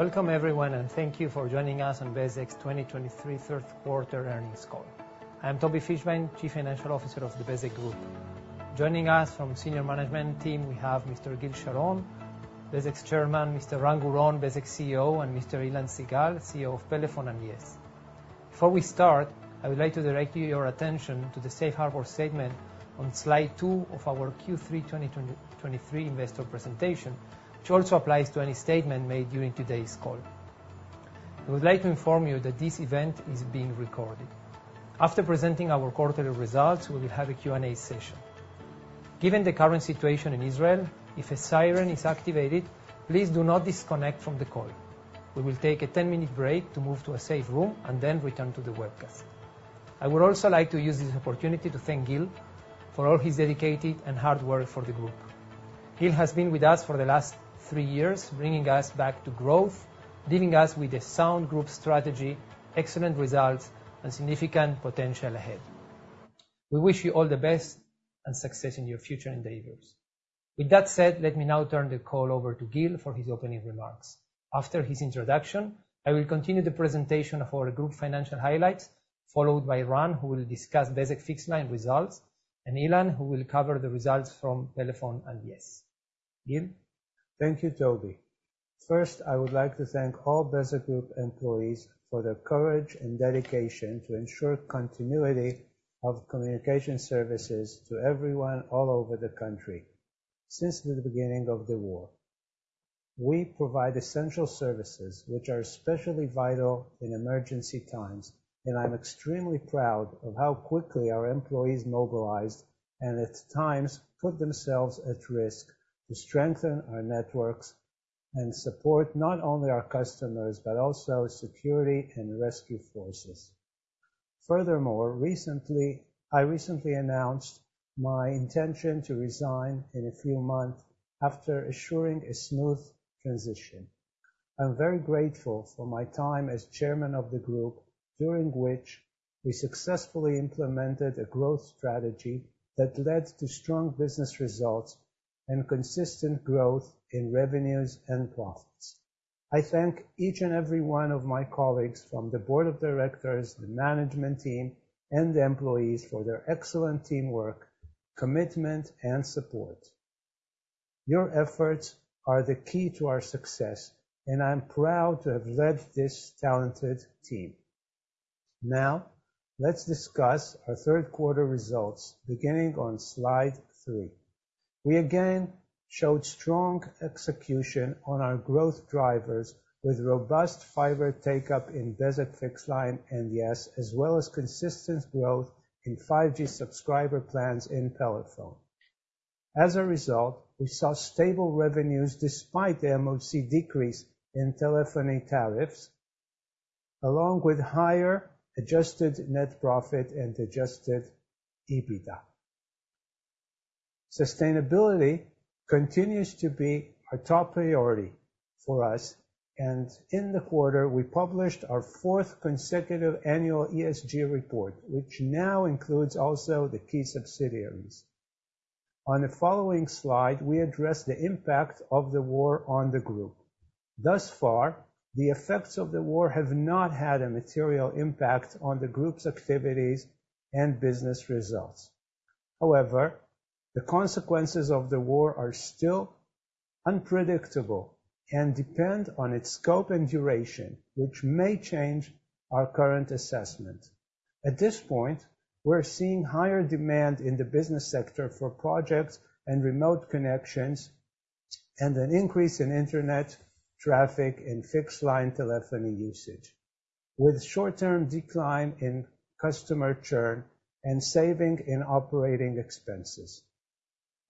Welcome everyone, and thank you for joining us on Bezeq's 2023 third quarter earnings call. I'm Tobi Fischbein, Chief Financial Officer of the Bezeq Group. Joining us from senior management team, we have Mr. Gil Sharon, Bezeq's Chairman, Mr. Ran Guron, Bezeq's CEO, and Mr. Ilan Sigal, CEO of Pelephone and yes. Before we start, I would like to direct your attention to the safe harbor statement on slide two of our Q3 2023 investor presentation, which also applies to any statement made during today's call. I would like to inform you that this event is being recorded. After presenting our quarterly results, we will have a Q&A session. Given the current situation in Israel, if a siren is activated, please do not disconnect from the call. We will take a 10-minute break to move to a safe room and then return to the webcast. I would also like to use this opportunity to thank Gil for all his dedicated and hard work for the group. Gil has been with us for the last three years, bringing us back to growth, leaving us with a sound group strategy, excellent results, and significant potential ahead. We wish you all the best and success in your future endeavors. With that said, let me now turn the call over to Gil for his opening remarks. After his introduction, I will continue the presentation of our group financial highlights, followed by Ran, who will discuss Bezeq Fixed Line results, and Ilan, who will cover the results from Pelephone and yes. Gil? Thank you, Toby. First, I would like to thank all Bezeq Group employees for their courage and dedication to ensure continuity of communication services to everyone all over the country since the beginning of the war. We provide essential services which are especially vital in emergency times, and I'm extremely proud of how quickly our employees mobilized and at times put themselves at risk to strengthen our networks and support not only our customers, but also security and rescue forces. Furthermore, recently, I recently announced my intention to resign in a few months after assuring a smooth transition. I'm very grateful for my time as chairman of the group, during which we successfully implemented a growth strategy that led to strong business results and consistent growth in revenues and profits. I thank each and every one of my colleagues from the board of directors, the management team, and the employees for their excellent teamwork, commitment, and support. Your efforts are the key to our success, and I'm proud to have led this talented team. Now, let's discuss our third quarter results, beginning on slide three. We again showed strong execution on our growth drivers, with robust fiber take-up in Bezeq Fixed Line and yes, as well as consistent growth in 5G subscriber plans in Pelephone. As a result, we saw stable revenues despite the MOC decrease in telephony tariffs, along with higher adjusted net profit and adjusted EBITDA. Sustainability continues to be a top priority for us, and in the quarter, we published our fourth consecutive annual ESG report, which now includes also the key subsidiaries. On the following slide, we address the impact of the war on the group. Thus far, the effects of the war have not had a material impact on the group's activities and business results. However, the consequences of the war are still unpredictable and depend on its scope and duration, which may change our current assessment. At this point, we're seeing higher demand in the business sector for projects and remote connections and an increase in internet traffic and fixed line telephony usage, with short-term decline in customer churn and saving in operating expenses.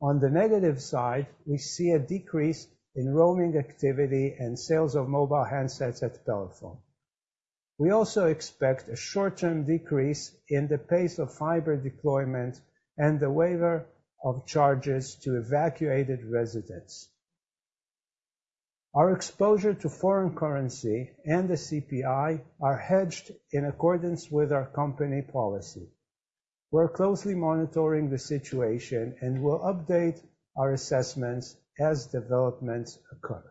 On the negative side, we see a decrease in roaming activity and sales of mobile handsets at Pelephone. We also expect a short-term decrease in the pace of fiber deployment and the waiver of charges to evacuated residents. Our exposure to foreign currency and the CPI are hedged in accordance with our company policy. We're closely monitoring the situation and will update our assessments as developments occur.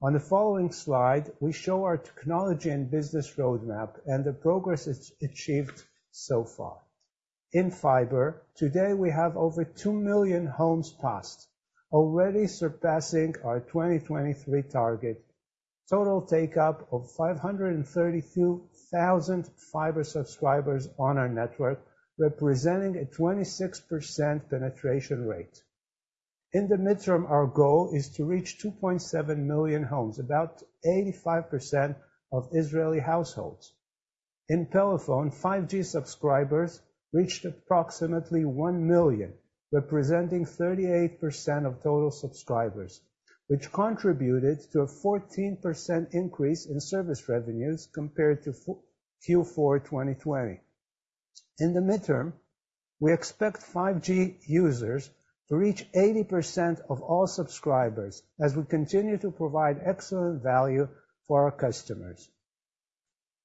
On the following slide, we show our technology and business roadmap and the progress it's achieved so far. In fiber, today, we have over two million homes passed, already surpassing our 2023 target. Total take-up of 532,000 fiber subscribers on our network, representing a 26% penetration rate. In the midterm, our goal is to reach 2.7 million homes, about 85% of Israeli households. In Pelephone, 5G subscribers reached approximately 1 million, representing 38% of total subscribers, which contributed to a 14% increase in service revenues compared to Q4 2020. In the midterm, we expect 5G users to reach 80% of all subscribers as we continue to provide excellent value for our customers.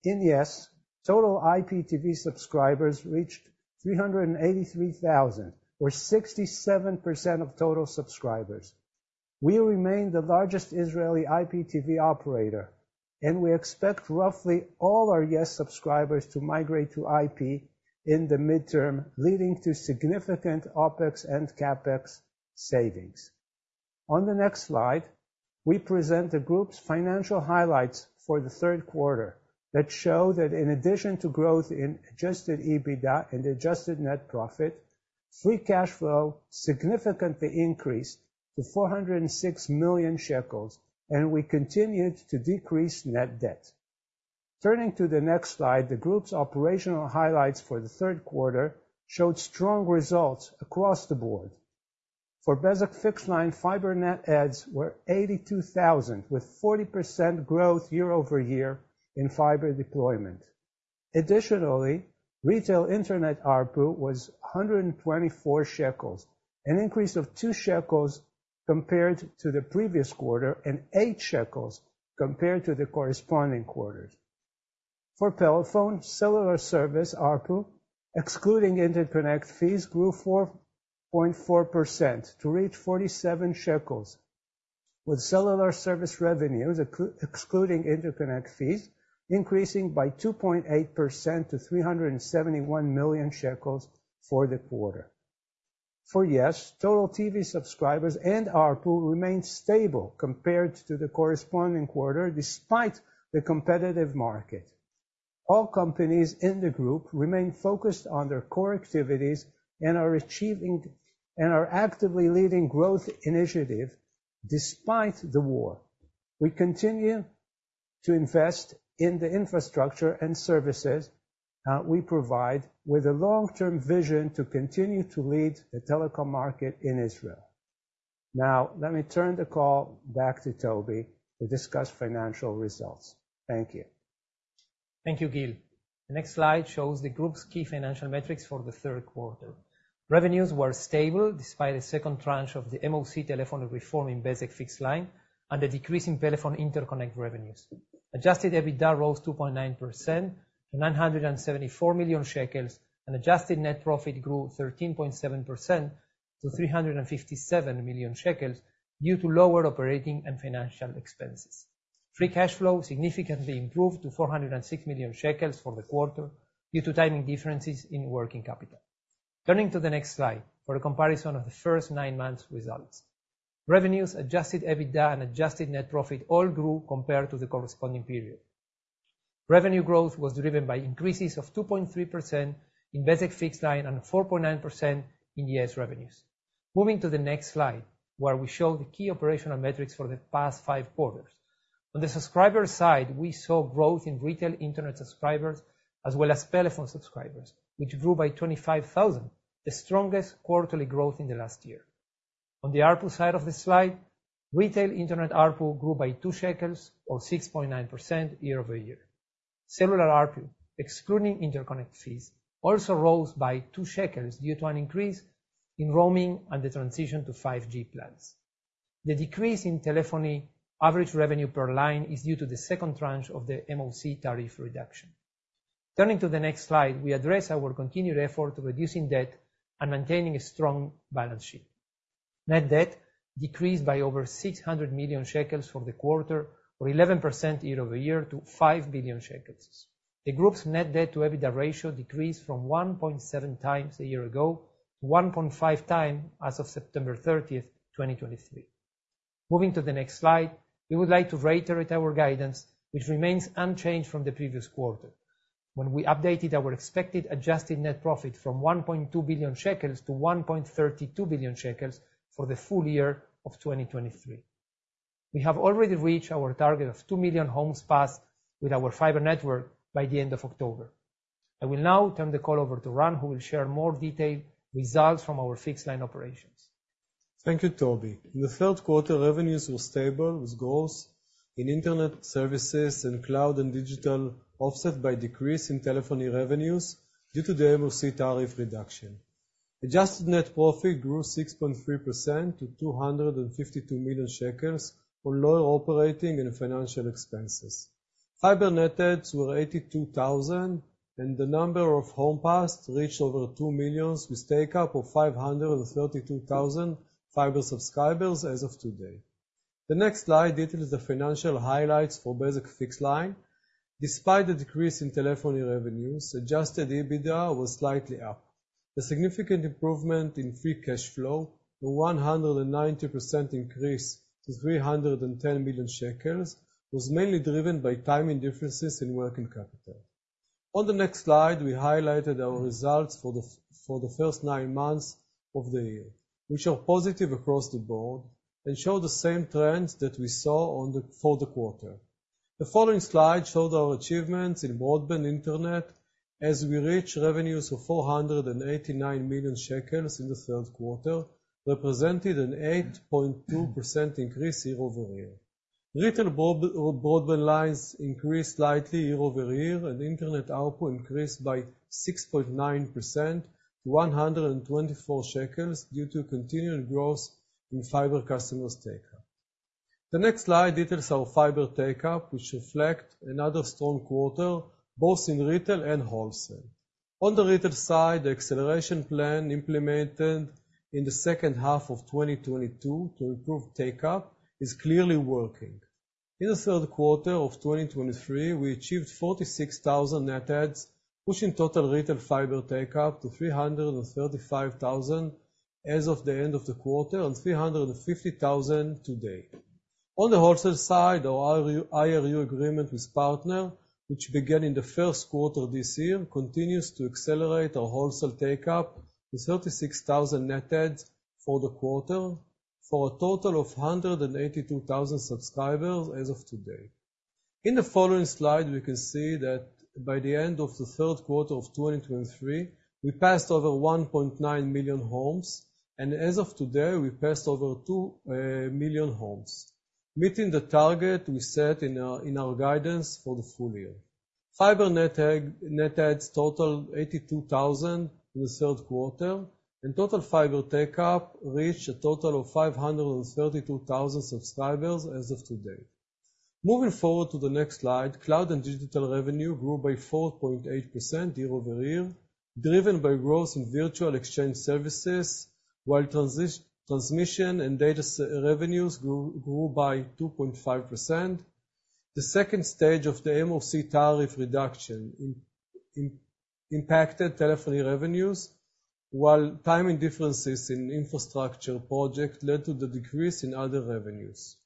In yes, total IPTV subscribers reached 383,000, or 67% of total subscribers. We remain the largest Israeli IPTV operator, and we expect roughly all our yes subscribers to migrate to IP in the midterm, leading to significant OpEx and CapEx savings. On the next slide, we present the group's financial highlights for the third quarter, that show that in addition to growth in adjusted EBITDA and adjusted net profit, free cash flow significantly increased to 406 million shekels, and we continued to decrease net debt. Turning to the next slide, the group's operational highlights for the third quarter showed strong results across the board. For Bezeq fixed line, fiber net adds were 82,000, with 40% growth year-over-year in fiber deployment. Additionally, retail Internet ARPU was 124 shekels, an increase of 2 shekels compared to the previous quarter and 8 shekels compared to the corresponding quarters. For Pelephone, cellular service ARPU, excluding interconnect fees, grew 4.4% to reach 47 shekels, with cellular service revenues, excluding interconnect fees, increasing by 2.8% to 371 million shekels for the quarter. For yes, total TV subscribers and ARPU remained stable compared to the corresponding quarter, despite the competitive market. All companies in the group remain focused on their core activities and are achieving and are actively leading growth initiatives despite the war. We continue to invest in the infrastructure and services we provide, with a long-term vision to continue to lead the telecom market in Israel. Now, let me turn the call back to Toby to discuss financial results. Thank you. Thank you, Gil. The next slide shows the group's key financial metrics for the third quarter. Revenues were stable, despite a second tranche of the MOC telephone reform in Bezeq fixed line and a decrease in Pelephone interconnect revenues. Adjusted EBITDA rose 2.9% to 974 million shekels, and adjusted net profit grew 13.7% to 357 million shekels due to lower operating and financial expenses. Free cash flow significantly improved to 406 million shekels for the quarter due to timing differences in working capital. Turning to the next slide for a comparison of the first nine months results. Revenues, adjusted EBITDA, and adjusted net profit all grew compared to the corresponding period. Revenue growth was driven by increases of 2.3% in Bezeq fixed line and 4.9% in yes revenues. Moving to the next slide, where we show the key operational metrics for the past 5 quarters. On the subscriber side, we saw growth in retail Internet subscribers, as well as Pelephone subscribers, which grew by 25,000, the strongest quarterly growth in the last year. On the ARPU side of this slide, retail Internet ARPU grew by 2 shekels, or 6.9% year-over-year. Cellular ARPU, excluding interconnect fees, also rose by 2 shekels due to an increase in roaming and the transition to 5G plans. The decrease in telephony average revenue per line is due to the second tranche of the MOC tariff reduction. Turning to the next slide, we address our continued effort to reducing debt and maintaining a strong balance sheet. Net debt decreased by over 600 million shekels for the quarter, or 11% year-over-year, to 5 billion shekels. The group's net debt to EBITDA ratio decreased from 1.7 times a year ago to 1.5 times as of September 30, 2023. Moving to the next slide, we would like to reiterate our guidance, which remains unchanged from the previous quarter, when we updated our expected adjusted net profit from 1.2 billion shekels to 1.32 billion shekels for the full year of 2023. We have already reached our target of 2 million homes passed with our fiber network by the end of October. I will now turn the call over to Ran, who will share more detailed results from our fixed line operations. Thank you, Toby. In the third quarter, revenues were stable, with growth in Internet services and cloud and digital, offset by decrease in telephony revenues due to the MOC tariff reduction. Adjusted net profit grew 6.3% to 252 million shekels for lower operating and financial expenses. Fiber net adds were 82,000, and the number of home passed reached over 2 million, with take-up of 532,000 fiber subscribers as of today. The next slide details the financial highlights for Bezeq fixed line. Despite the decrease in telephony revenues, adjusted EBITDA was slightly up. A significant improvement in free cash flow, a 190% increase to 310 million shekels, was mainly driven by timing differences in working capital. On the next slide, we highlighted our results for the first nine months of the year, which are positive across the board and show the same trends that we saw for the quarter. The following slide showed our achievements in broadband Internet as we reach revenues of 489 million shekels in the third quarter, representing an 8.2% increase year-over-year. Broadband lines increased slightly year-over-year, and Internet ARPU increased by 6.9% to 124 shekels due to continued growth in fiber customers take-up. The next slide details our fiber take-up, which reflect another strong quarter, both in retail and wholesale. On the retail side, the acceleration plan implemented in the second half of 2022 to improve take-up is clearly working. In the third quarter of 2023, we achieved 46,000 net adds, pushing total retail fiber take-up to 335,000 as of the end of the quarter, and 350,000 today. On the wholesale side, our IRU agreement with Partner, which began in the first quarter this year, continues to accelerate our wholesale take-up with 36,000 net adds for the quarter, for a total of 182,000 subscribers as of today. In the following slide, we can see that by the end of the third quarter of 2023, we passed over 1.9 million homes, and as of today, we passed over 2 million homes, meeting the target we set in our, in our guidance for the full year. Fiber net adds totaled 82,000 in the third quarter, and total fiber take-up reached a total of 532,000 subscribers as of today. Moving forward to the next slide, cloud and digital revenue grew by 4.8% year-over-year, driven by growth in virtual exchange services, while transmission and data services revenues grew by 2.5%. The second stage of the MOC tariff reduction impacted telephony revenues, while timing differences in infrastructure project led to the decrease in other revenues.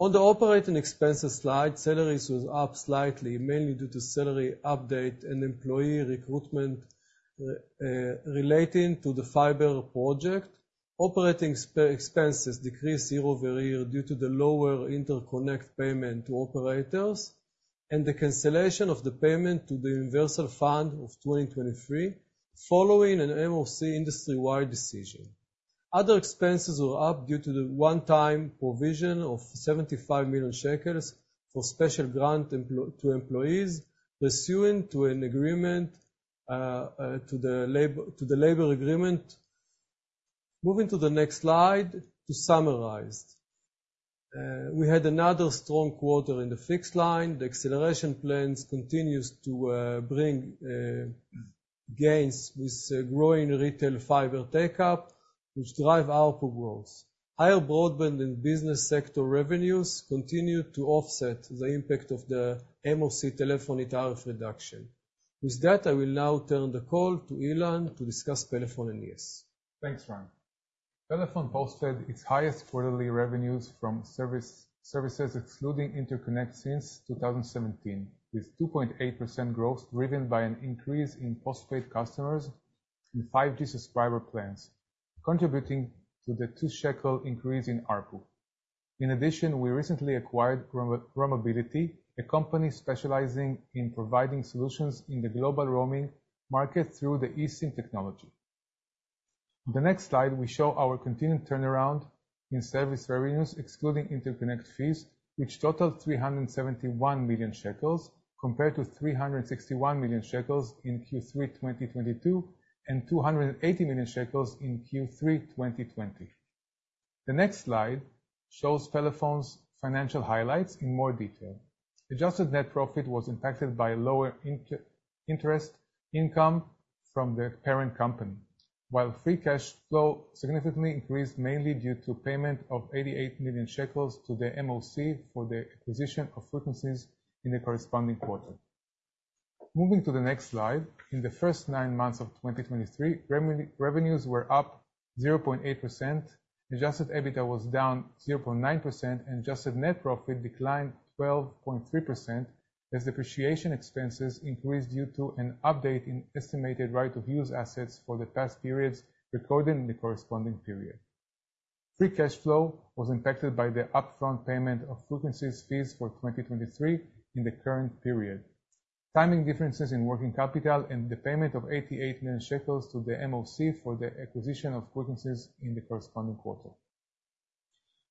On the operating expenses slide, salaries was up slightly, mainly due to salary update and employee recruitment relating to the fiber project. Operating expenses decreased year-over-year due to the lower interconnect payment to operators and the cancellation of the payment to the Universal Fund of 2023, following an MOC industry-wide decision. Other expenses were up due to the one-time provision of 75 million shekels for special grant to employees, pursuant to an agreement, to the labor agreement. Moving to the next slide, to summarize. We had another strong quarter in the fixed line. The acceleration plans continues to bring gains with growing retail fiber take-up, which drive ARPU growth. Higher broadband and business sector revenues continued to offset the impact of the MOC telephony tariff reduction. With that, I will now turn the call to Ilan to discuss Pelephone and yes. Thanks, Ran. Pelephone posted its highest quarterly revenues from service, services excluding interconnect since 2017, with 2.8% growth, driven by an increase in postpaid customers in 5G subscriber plans, contributing to the 2 shekel increase in ARPU. In addition, we recently acquired Roamability, a company specializing in providing solutions in the global roaming market through the eSIM technology. The next slide, we show our continued turnaround in service revenues, excluding interconnect fees, which totaled 371 million shekels, compared to 361 million shekels in Q3 2022, and 280 million shekels in Q3 2020. The next slide shows Pelephone's financial highlights in more detail. Adjusted net profit was impacted by lower interest income from the parent company, while free cash flow significantly increased, mainly due to payment of 88 million shekels to the MOC for the acquisition of frequencies in the corresponding quarter. Moving to the next slide, in the first nine months of 2023, revenues were up 0.8%. Adjusted EBITDA was down 0.9%, and adjusted net profit declined 12.3%, as depreciation expenses increased due to an update in estimated right of use assets for the past periods recorded in the corresponding period. Free cash flow was impacted by the upfront payment of frequencies fees for 2023 in the current period, timing differences in working capital, and the payment of 88 million shekels to the MOC for the acquisition of frequencies in the corresponding quarter.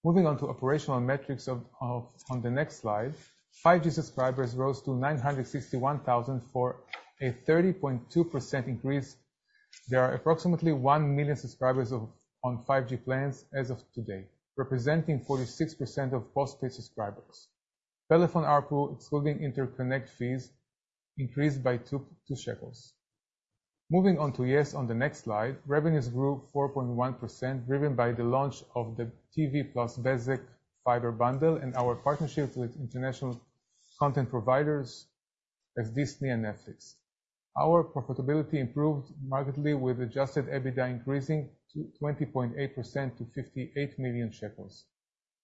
Moving on to operational metrics on the next slide, 5G subscribers rose to 961,000 for a 30.2% increase. There are approximately 1,000,000 subscribers on 5G plans as of today, representing 46% of postpaid subscribers. Pelephone ARPU, excluding interconnect fees, increased by 2 shekels. Moving on to yes, on the next slide, revenues grew 4.1%, driven by the launch of the TV plus Bezeq fiber bundle and our partnerships with international content providers as Disney and Netflix. Our profitability improved markedly, with adjusted EBITDA increasing to 20.8% to 58 million shekels.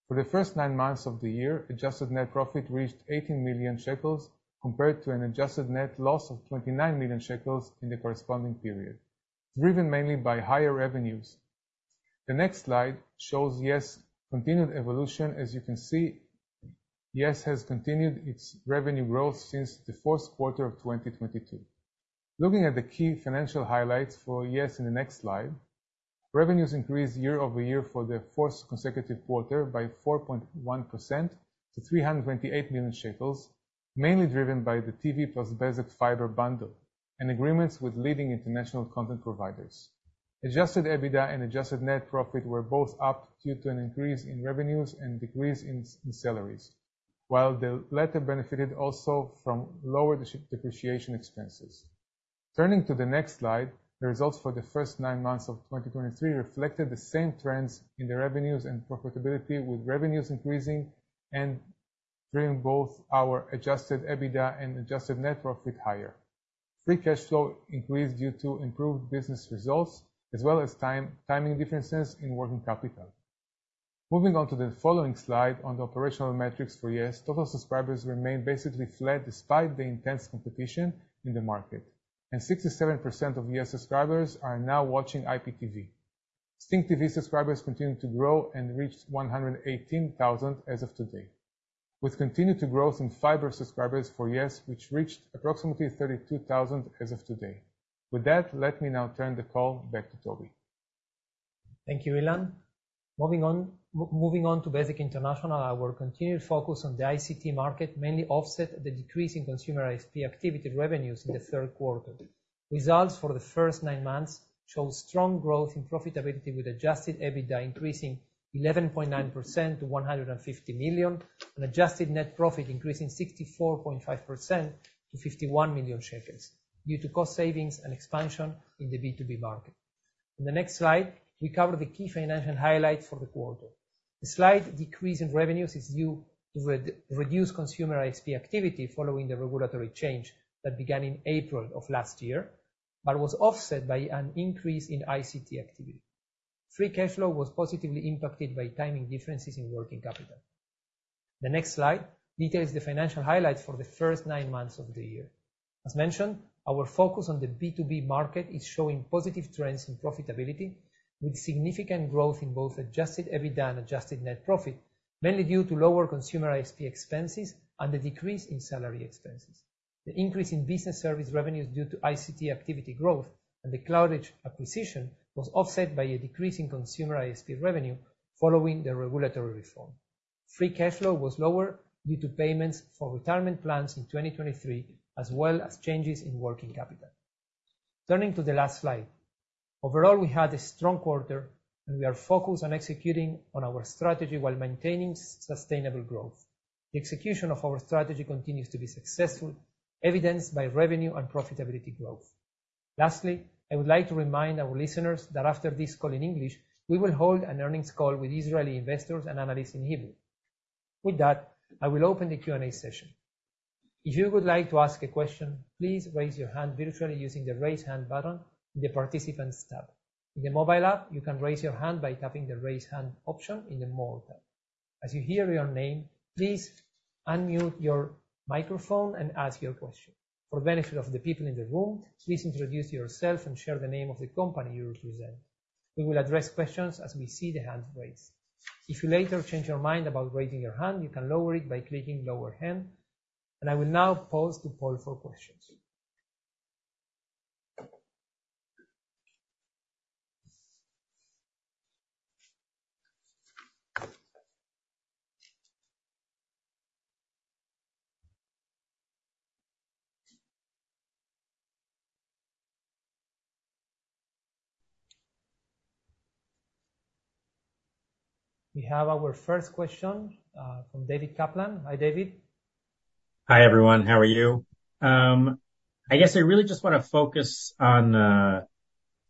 For the first nine months of the year, adjusted net profit reached 18 million shekels, compared to an adjusted net loss of 29 million shekels in the corresponding period, driven mainly by higher revenues. The next slide shows yes' continued evolution. As you can see, yes has continued its revenue growth since the fourth quarter of 2022. Looking at the key financial highlights for yes in the next slide, revenues increased year-over-year for the fourth consecutive quarter by 4.1% to 328 million shekels, mainly driven by the TV plus Bezeq fiber bundle and agreements with leading international content providers. Adjusted EBITDA and adjusted net profit were both up due to an increase in revenues and decrease in salaries, while the latter benefited also from lower depreciation expenses. Turning to the next slide, the results for the first nine months of 2023 reflected the same trends in the revenues and profitability, with revenues increasing and driving both our adjusted EBITDA and adjusted net profit higher. Free cash flow increased due to improved business results as well as timing differences in working capital. Moving on to the following slide on the operational metrics for yes, total subscribers remained basically flat despite the intense competition in the market, and 67% of yes subscribers are now watching IPTV. STING TV subscribers continued to grow and reached 118,000 as of today, with continued growth in fiber subscribers for yes, which reached approximately 32,000 as of today. With that, let me now turn the call back to Toby. Thank you, Ilan. Moving on to Bezeq International, our continued focus on the ICT market mainly offset the decrease in consumer ISP activity revenues in the third quarter. Results for the first nine months showed strong growth in profitability, with adjusted EBITDA increasing 11.9% to 150 million, and adjusted net profit increasing 64.5% to 51 million shekels due to cost savings and expansion in the B2B market. In the next slide, we cover the key financial highlights for the quarter. The slight decrease in revenues is due to reduced consumer ISP activity following the regulatory change that began in April of last year, but was offset by an increase in ICT activity. Free cash flow was positively impacted by timing differences in working capital. The next slide details the financial highlights for the first nine months of the year. As mentioned, our focus on the B2B market is showing positive trends in profitability, with significant growth in both adjusted EBITDA and adjusted net profit, mainly due to lower consumer ISP expenses and a decrease in salary expenses. The increase in business service revenues due to ICT activity growth and the CloudEdge acquisition was offset by a decrease in consumer ISP revenue following the regulatory reform. Free cash flow was lower due to payments for retirement plans in 2023, as well as changes in working capital. Turning to the last slide. Overall, we had a strong quarter, and we are focused on executing on our strategy while maintaining sustainable growth. The execution of our strategy continues to be successful, evidenced by revenue and profitability growth. Lastly, I would like to remind our listeners that after this call in English, we will hold an earnings call with Israeli investors and analysts in Hebrew. With that, I will open the Q&A session. If you would like to ask a question, please raise your hand virtually using the Raise Hand button in the Participants tab. In the mobile app, you can raise your hand by tapping the Raise Hand option in the More tab. As you hear your name, please unmute your microphone and ask your question. For the benefit of the people in the room, please introduce yourself and share the name of the company you represent. We will address questions as we see the hand raised. If you later change your mind about raising your hand, you can lower it by clicking Lower Hand, and I will now pause to poll for questions. We have our first question, from David Kaplan. Hi, David. Hi, everyone. How are you? I guess I really just want to focus on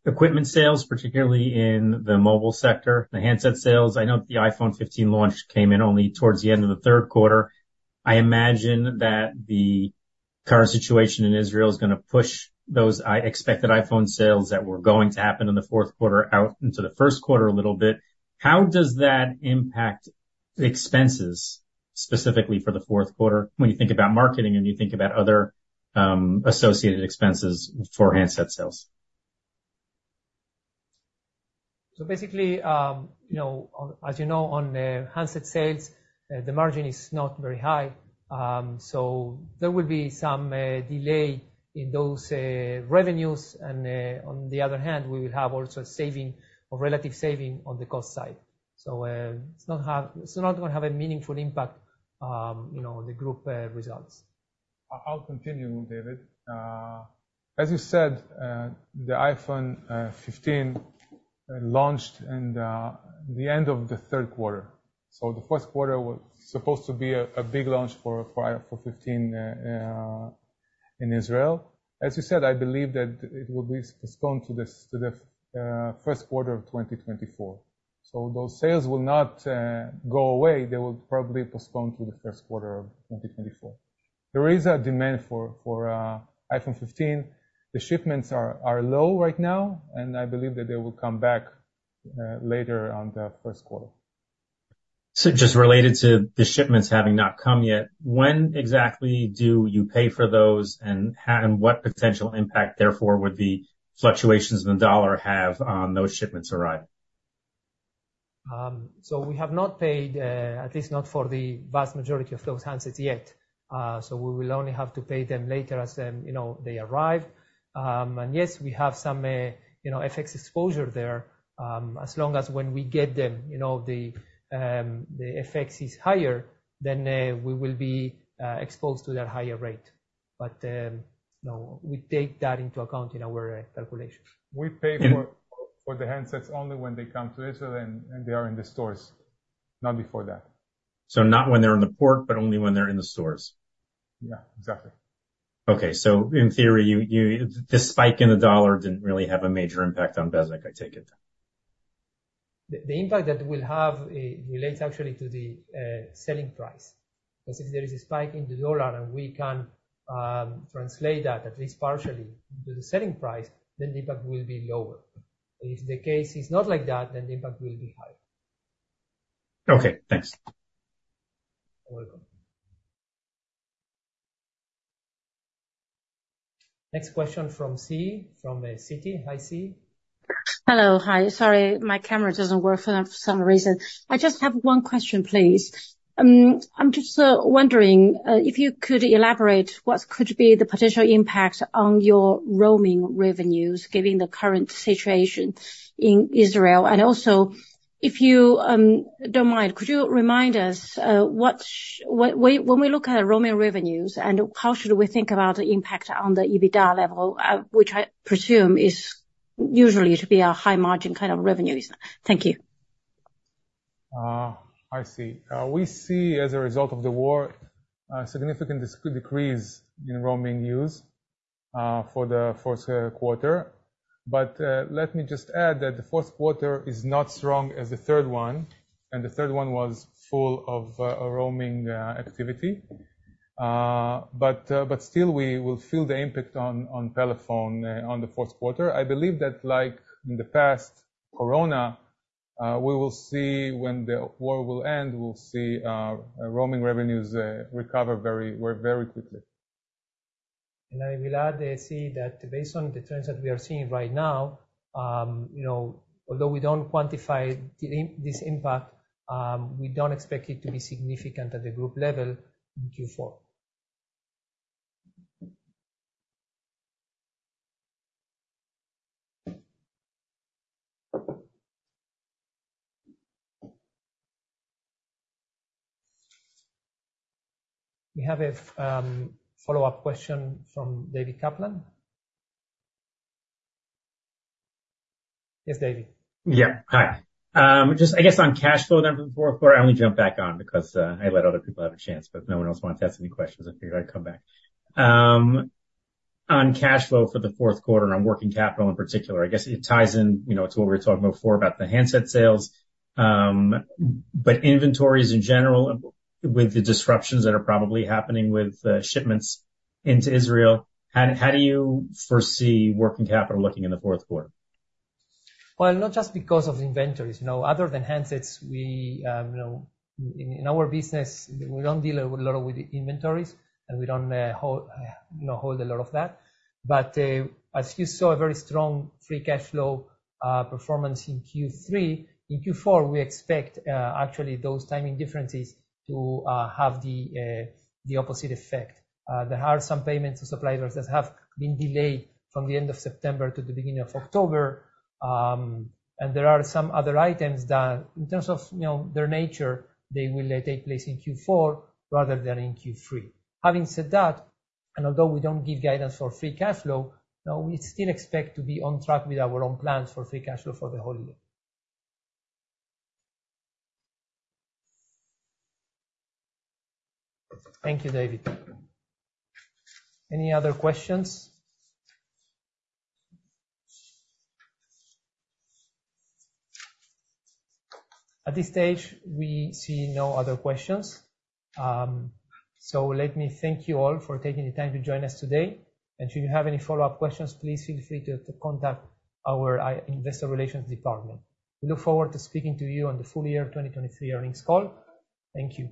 equipment sales, particularly in the mobile sector, the handset sales. I know the iPhone 15 launch came in only towards the end of the third quarter. I imagine that the current situation in Israel is going to push those expected iPhone sales that were going to happen in the fourth quarter out into the first quarter a little bit. How does that impact expenses, specifically for the fourth quarter, when you think about marketing and you think about other associated expenses for handset sales? So basically, you know, as you know, on handset sales, the margin is not very high. So there will be some delay in those revenues, and on the other hand, we will have also a saving or relative saving on the cost side. So it's not going to have a meaningful impact, you know, on the group results. I'll continue, David. As you said, the iPhone 15 launched in the end of the third quarter. So the first quarter was supposed to be a big launch for fifteen in Israel. As you said, I believe that it will be postponed to the first quarter of 2024. So those sales will not go away. They will probably postpone to the first quarter of 2024. There is a demand for iPhone 15. The shipments are low right now, and I believe that they will come back later on the first quarter. So just related to the shipments having not come yet, when exactly do you pay for those, and what potential impact, therefore, would the fluctuations in the US dollar have on those shipments arrive? So we have not paid, at least not for the vast majority of those handsets yet. So we will only have to pay them later as, you know, they arrive. And yes, we have some, you know, FX exposure there. As long as when we get them, you know, the, the FX is higher, then, we will be, exposed to that higher rate. But, no, we take that into account in our calculations. We pay for the handsets only when they come to Israel and they are in the stores, not before that. So not when they're in the port, but only when they're in the stores? Yeah, exactly. Okay. So in theory, you, this spike in the US dollar didn't really have a major impact on Bezeq, I take it? The impact that it will have relates actually to the selling price. Because if there is a spike in the US dollar and we can translate that, at least partially, to the selling price, the impact will be lower. If the case is not like that, then the impact will be higher. Okay, thanks. You're welcome. Next question from Xi, from Citi. Hi, Xi. Hello. Hi, sorry, my camera doesn't work for some reason. I just have one question, please. I'm just wondering if you could elaborate what could be the potential impact on your roaming revenues, given the current situation in Israel? And also, if you don't mind, could you remind us what, when we look at roaming revenues and how should we think about the impact on the EBITDA level, which I presume is usually to be a high margin kind of revenues? Thank you. I see. We see as a result of the war, a significant decrease in roaming use for the fourth quarter. But let me just add that the fourth quarter is not as strong as the third one, and the third one was full of roaming activity. But still, we will feel the impact on Pelephone in the fourth quarter. I believe that, like in the past, Corona, we will see when the war will end, we'll see roaming revenues recover very, very quickly. I will add, Xi, that based on the trends that we are seeing right now, you know, although we don't quantify this impact, we don't expect it to be significant at the group level in Q4. We have a follow-up question from David Kaplan. Yes, David. Yeah. Hi. Just I guess on cash flow then for the fourth quarter, I only jumped back on because I let other people have a chance, but no one else wanted to ask any questions. I figured I'd come back. On cash flow for the fourth quarter, on working capital in particular, I guess it ties in, you know, to what we were talking before about the handset sales. But inventories in general, with the disruptions that are probably happening with shipments into Israel, how do you foresee working capital looking in the fourth quarter? Well, not just because of inventories. You know, other than handsets, we, you know, in our business, we don't deal a lot with inventories, and we don't, you know, hold a lot of that. But, as you saw, a very strong Free Cash Flow performance in Q3. In Q4, we expect, actually those timing differences to have the opposite effect. There are some payments to suppliers that have been delayed from the end of September to the beginning of October. And there are some other items that, in terms of, you know, their nature, they will take place in Q4 rather than in Q3. Having said that, and although we don't give guidance for Free Cash Flow, we still expect to be on track with our own plans for Free Cash Flow for the whole year. Thank you, David. Any other questions? At this stage, we see no other questions. So let me thank you all for taking the time to join us today. Should you have any follow-up questions, please feel free to contact our Investor Relations department. We look forward to speaking to you on the full year 2023 earnings call. Thank you.